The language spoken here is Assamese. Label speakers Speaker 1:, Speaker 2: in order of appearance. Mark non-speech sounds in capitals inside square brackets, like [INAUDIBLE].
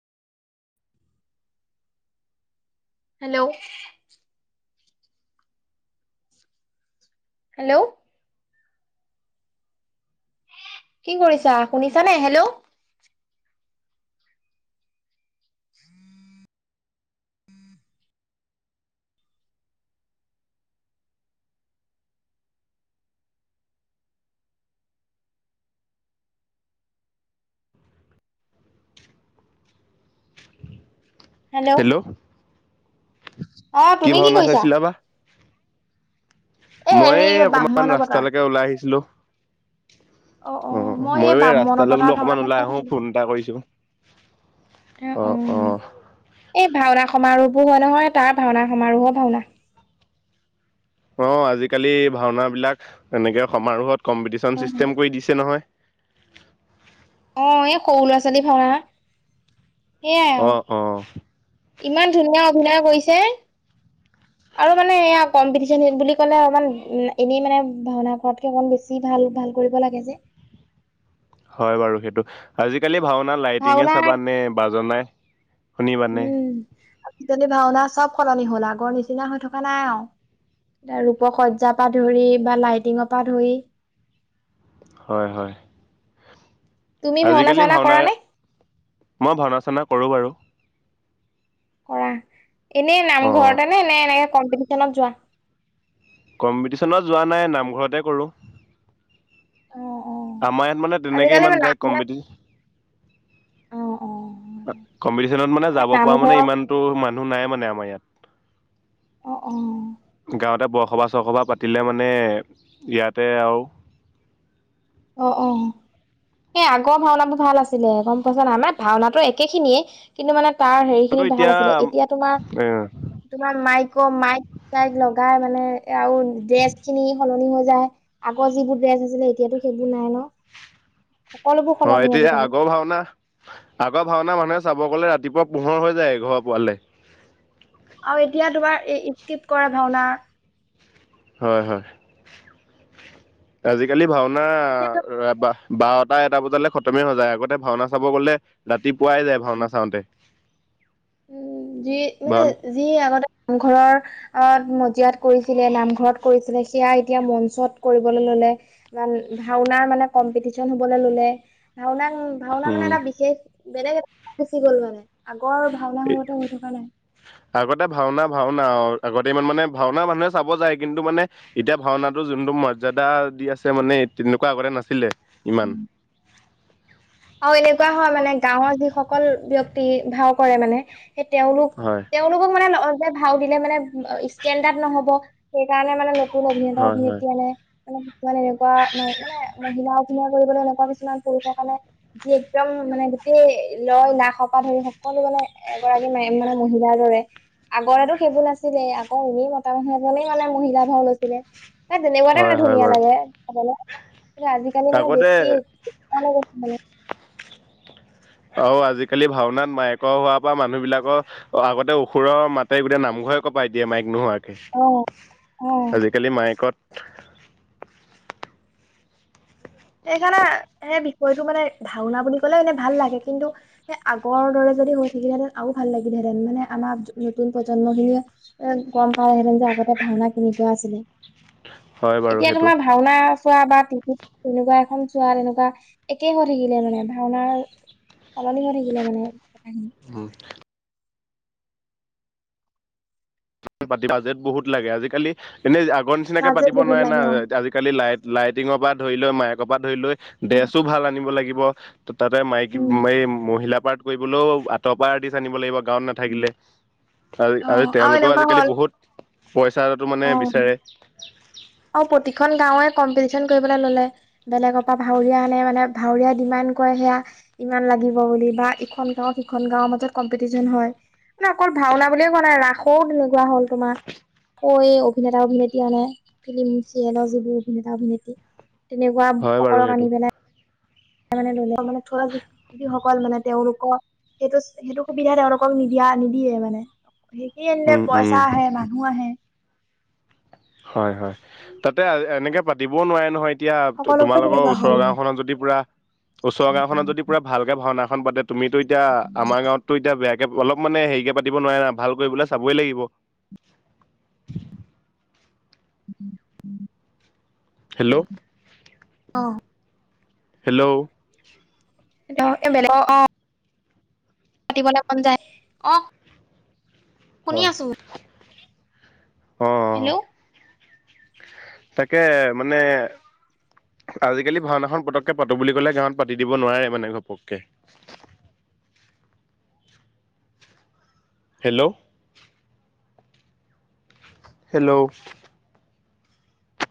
Speaker 1: হেল্ল' হেল্ল' কি কৰিছা শুনিছা নে হেল্ল'
Speaker 2: হেল্ল'
Speaker 1: অ
Speaker 2: কি
Speaker 1: তুমি
Speaker 2: ভাওনা
Speaker 1: কৰিছা
Speaker 2: চাইছিলা বা? মই
Speaker 1: হেৰি
Speaker 2: এ
Speaker 1: ব্ৰাহ্মণ
Speaker 2: অকমান
Speaker 1: অৱতাৰ
Speaker 2: ৰাস্তালৈকে ওলাই আহিছিলোঁ।
Speaker 1: অ অ মই সেই
Speaker 2: অ'ময়ো এ
Speaker 1: ব্ৰাহ্মণ
Speaker 2: ৰাস্তালৈ
Speaker 1: অৱতাৰ
Speaker 2: বোলো অকমান
Speaker 1: ভাওনাখন চাই
Speaker 2: ওলাই আহো
Speaker 1: আছিলো
Speaker 2: ফোন এটা কৰিছো।
Speaker 1: অ' অ' এই ভাওনা সমাৰোহবোৰ হয় নহয় তাৰ ভাওনা সমাৰোহৰ ভাওনা।
Speaker 2: অ, আজিকালি ভাওনা বিলাক এনেকে সমাৰোহত কম্পিটিচন চিষ্টেম কৰি দিছে নহয়।
Speaker 1: অ, এই সৰু ল'ৰা- ছোৱালী ভঙা সেইয়াই
Speaker 2: অ
Speaker 1: আৰু।
Speaker 2: অ
Speaker 1: ইমান ধুনীয়া অভিনয় কৰিছে।
Speaker 2: [INAUDIBLE]
Speaker 1: আৰু মানে এয়া কম্পিটিচন বুলি ক'লে, অকমান উম, এনেই মানে ভাওনা ঘৰতকে অকমান বেছি। বেছি ভাল- ভাল কৰিব লাগে যে।
Speaker 2: হয় বাৰু সেইটো, আজিকালি ভাওনা লাইটিঙে
Speaker 1: ভাওনা
Speaker 2: চাবানে, বাজনাই শুনিবানে।
Speaker 1: উম আজিকালি ভাওনা চব সলনি হ'ল, আগৰ নিচিনা হৈ থকা নাই আৰু। এ ৰূপক সজ্জাৰ পৰা ধৰি বা লাইটিঙৰ পৰা ধৰি।
Speaker 2: হয়- হয়।
Speaker 1: তুমি
Speaker 2: আজিকালি
Speaker 1: চাওনা
Speaker 2: ভাওনা,
Speaker 1: কৰা নে
Speaker 2: মই ভাওনা- চানওনা কৰোঁ বাৰু।
Speaker 1: কৰা, এনেই
Speaker 2: অ
Speaker 1: নামঘৰতে নে কম্পিটিচন এনেকে যোৱা?
Speaker 2: কম্পিটিশ্যনত যোৱা নাই নামঘৰতে কৰোঁ।
Speaker 1: অ, অ।
Speaker 2: আমাৰ ইয়াত মানে তেনেকে
Speaker 1: আজিকালি
Speaker 2: ইমান ডাইৰেক্ট
Speaker 1: নাম
Speaker 2: কম্পিটিন
Speaker 1: অ, অ।
Speaker 2: কম্পিটিচনত মানে
Speaker 1: এ
Speaker 2: যাব পৰা মানে
Speaker 1: নামঘৰ
Speaker 2: ইমানতটো মানুহ নাই মানে আমাৰ ইয়াত।
Speaker 1: অ', অ'।
Speaker 2: গাঁৱতে বৰসভা - চৰসভা পাতিলে মানে ইয়াতে আৰু।
Speaker 1: অঁ', অঁ'। এই আগৰ ভাওনাবোৰ ভাল আছিলে গম পাইছা ন, আমাৰ ভাওনাতটো একে খিনিয়ে কিন্তু মানে তাৰ হেৰি
Speaker 2: কিন্তু
Speaker 1: খিনি ভাল
Speaker 2: এতিয়া
Speaker 1: আছিলে, এতিয়া তোমাৰ
Speaker 2: এ
Speaker 1: তোমাৰ মাইক- মাইক- তাইক লগাই মানে আৰু ড্ৰেছ খিনি সলনি হৈ যায়। আগৰ যিবোৰ ড্ৰেছ আছিলে এতিয়াতো সেইবোৰ নাই ন। সকলোবোৰ
Speaker 2: অ,
Speaker 1: সলনি
Speaker 2: এতিয়া
Speaker 1: আজিকালি
Speaker 2: আগৰ ভাওনা আগৰ ভাওনা মানুহে চাব গলে ৰাতিপুৱা পোহৰ হৈ যায় ঘৰৰ পোৱালে।
Speaker 1: আৰু এতিয়া তোমাৰ এই ইঈদকিদ কৰা ভাওনা।
Speaker 2: হয়- হয়। আজিকালি ভাওনা
Speaker 1: এতিয়া
Speaker 2: বা বাৰটা এটা বজালে খতমে হৈ যায়। আগতে ভাওনা চাব গলে ৰাতিপুৱাই যায়, ভাওনা চাওঁতে।
Speaker 1: উম, যি মানে
Speaker 2: ভাওনা
Speaker 1: যি আগতে নামঘৰৰ অ, মজিয়াত কৰিছিলে, নামঘৰত কৰিছিলে, সেয়া এতিয়া মঞ্চত কৰিবলৈ ল'লে। মান ভাওনাৰ মানে কম্পিটিশন হ'বলৈ ল'লে। ভাওনাক ভাওনা মানে
Speaker 2: উম
Speaker 1: এটা বিশেষ বেলেগ এটা গুচি গ'ল মানে। আগৰ ভাওনা সতে হৈ থকা নাই।
Speaker 2: আগতে ভাওনা- ভাওনা আৰু আগতে ইমান মানে ভাওনা মানুহে চাব যায় কিন্তু মানে এতিয়া ভাওনাটো যোনটো মৰ্যাদা দি আছে মানে, তেনেকুৱা আগতে নাছিলে। ইমান
Speaker 1: উম আৰু এনেকুৱা হয় মানে, গাঁৱৰ যিসকল ব্যক্তি ভাও কৰে মানে সেই তেওঁলোক-
Speaker 2: হয়
Speaker 1: তেওঁ ভাও দিলে মানে ইষ্টেনণ্ডৰ্ড নহব, সেই কাৰণে মানে অভিনেতা-
Speaker 2: হয় হয়
Speaker 1: অভিনেত্ৰীয়ে নাই। মানে কিছুমান এনেকুৱা ম মানে মহিলা অভিনয় কৰিবলৈ এনেকুৱা কিছুমান পুৰুষৰ কাৰণে যি একদম মানে গোটেই লয়- লাক পৰা ধৰি সকলো মানে এগৰাকী মানে মহিলাৰ দৰে। আগতেটো সেইবোৰ নাছিলে। আকৌ এনেই মতা মানুহ এজনেই মানে মহিলা ভাও লৈছিলে। তাই তেনেকুৱাতে
Speaker 2: হয়
Speaker 1: মানে
Speaker 2: হয়
Speaker 1: ধুনীয়া
Speaker 2: বাৰু
Speaker 1: লাগে। চাবলৈ কিন্তু আজিকালি মানে
Speaker 2: আগতে
Speaker 1: বেছি মানে।
Speaker 2: আৰু আজিকালি ভাওনাত মায়েকৰ হোৱাৰ পৰা মানুহবিলাকৰ অ' আগতে অসুৰৰ মাতে গোটেই নামঘৰে কপাই দিয়ে মাইক নোহোৱাকে।
Speaker 1: অ'। অ
Speaker 2: আজিকালি মায়েকত
Speaker 1: সেইকাৰণে সেই বিষয়টো মানে ভাওনা বুলি ক'লে এনে ভাল লাগে কিন্তু সে আগৰ দৰে যদি হৈ থাকিলেহেঁতেন আৰু ভাল লাগিলেহেতেন মানে আমাৰ নতুন প্ৰজন্ম খিনিয়ে এ, গম যে আগতে ভাওনা কেনেকুৱা আছিলে।
Speaker 2: হয় বাৰু
Speaker 1: এতিয়া
Speaker 2: সেইটো
Speaker 1: তোমাৰ ভাওনা চোৱা বা টি তেনেকুৱা এখন চোৱাৰ এনেকুৱা একেই হৈ থাকিলে মানে ভাওনাৰ সলনি হৈ থাকিলে মানে কথাখিনি।
Speaker 2: অ'। তি বাজেট বহুত লাগে, আজিকালি এনেই আগৰ নিচিনাকে
Speaker 1: কাজিয়া
Speaker 2: পাতিব
Speaker 1: বহুত
Speaker 2: নোৱাৰে না
Speaker 1: লাগে অ
Speaker 2: আজিকালি লাইট লাইটিঙৰ পৰা ধৰি লৈ মাইকৰ পৰা ধৰি লৈ ড্ৰেছো ভাল আনিব লাগিব। ত' তাতে মাইকী
Speaker 1: উম
Speaker 2: এ, মহিলা পাৰ্ট কৰিবলৈও আৰ্টৰ পৰা আৰ্টিষ্ট আনিব লাগিব গাঁৱত না থাকিলে,
Speaker 1: অ
Speaker 2: আ-আৰু
Speaker 1: আৰু
Speaker 2: তেওঁলোকেও
Speaker 1: এনেকুৱা
Speaker 2: আজিকালি
Speaker 1: হ'ল
Speaker 2: বহুত পইচাটো মানে
Speaker 1: অ
Speaker 2: বিচাৰে।
Speaker 1: আৰু প্ৰতিখন গাঁৱে কম্পিটিচন কৰিবলৈ ল'লে। বেলেগৰ পৰা ভাৱৰীয়া আনে মানে ভাৱৰীয়া ডিমাণ্ড কৰে সেয়া। ইমান লাগিব বুলি বা ইখন গাঁওত সিখন গাঁওৰ মাজত কম্পিটিচন হয়। না অকল ভাওনা বুলিয়ে কোৱা নাই ৰাসও তেনেকুৱা হ'ল তোমাৰ। কৈ অভিনেতা অভিনেত্ৰী আনে, ফিল্ম চিৰিয়েলৰ যিবোৰ অভিনেতা অভিনেত্ৰী। তেনেকুৱা
Speaker 2: হয় বাৰু
Speaker 1: অকলক
Speaker 2: সেইটো
Speaker 1: আনি পেলাই মে ধুনীয়াকে মানে [UNINTELLIGIBLE] যিসকল মানে তেওঁলোকক সেইটো সেইটো সুবিধা তেওঁলোকক নিদিয়া নিদিয়ে মানে। সে কি আনিলে
Speaker 2: উম উম
Speaker 1: পইচা আহে, মানুহ আহে।
Speaker 2: হয় হয়, তাতে এনেকে পাতিবও নোৱাৰে নহয়। এতিয়া
Speaker 1: সকলোবোৰ
Speaker 2: তোমালোকৰ
Speaker 1: তেনেকুৱা হ'ল
Speaker 2: ওচৰৰ গাওঁখনত যদি পুৰা ওচৰৰ গাঁওখনত যদি পুৰা ভালকে ভাওনাখন পাতে তুমিতো এতিয়া আমাৰ গাঁৱততো এতিয়া বেয়াকে অলপ মানে হেৰিকে পাতিব নোৱাৰে না ভাল কৰিবলে চাবই লাগিব। হেল্ল'
Speaker 1: অ'।
Speaker 2: হেল্ল'।
Speaker 1: [UNINTELLIGIBLE] অ', অ'। পাতিবলে মন যায়, অ'। শুনি
Speaker 2: হয়।
Speaker 1: আছো।
Speaker 2: অ অ
Speaker 1: হেল্ল'।
Speaker 2: তাকে মানে আজিকালি ভাওনাখন পতককে পাতোঁ বুলি ক'লে গাঁৱত পাতি দিব নোৱাৰে মানে ঘপককে। হেল্ল'। হেল্ল'।